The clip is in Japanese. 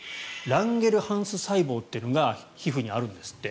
ランゲルハンス細胞というのが皮膚にあるんですって。